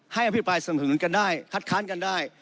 ให้อภิปรายเสนอหนึ่งกันได้คัดค้านกันได้